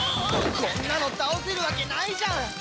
こんなの倒せるわけないじゃん！